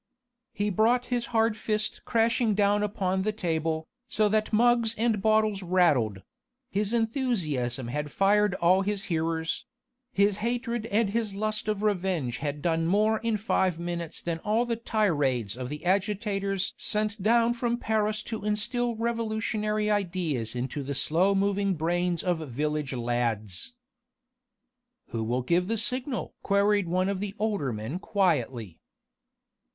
He brought his hard fist crashing down upon the table, so that mugs and bottles rattled: his enthusiasm had fired all his hearers: his hatred and his lust of revenge had done more in five minutes than all the tirades of the agitators sent down from Paris to instil revolutionary ideas into the slow moving brains of village lads. "Who will give the signal?" queried one of the older men quietly.